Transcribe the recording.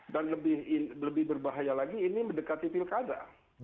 lebih berbahaya lagi ini mendekati pilkada